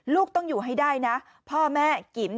ลูกต้องอยู่ให้ได้นะพ่อแม่กิ๋ม